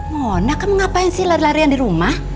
monak kamu ngapain sih lari larian di rumah